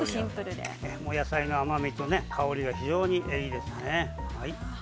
野菜の甘みと香りが非常にいいですね。